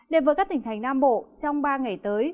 đến với các tỉnh thành nam bộ trong ba ngày tới